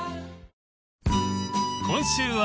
［今週は］